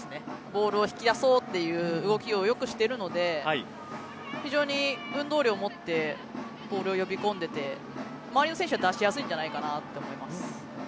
ボールを引き出そうという動きを良くしているので非常に運動量もってボールを呼び込んでて周りの選手は出しやすいんじゃないかなと思います。